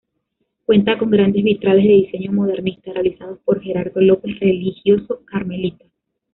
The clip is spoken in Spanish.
Cuenta con grandes vitrales de diseño modernista realizados por Gerardo López religioso carmelita.